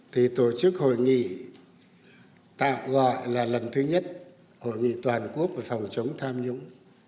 tổ chức hội nghị tạo gọi là lần thứ nhất hội nghị toàn quốc về phòng chống tham nhũng